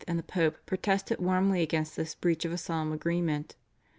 and the Pope protested warmly against this breach of a solemn agreement.